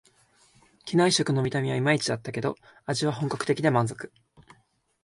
機内食の見た目はいまいちだったけど、味は本格的で満足